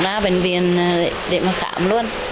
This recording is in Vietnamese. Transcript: ra bệnh viện để mà khám luôn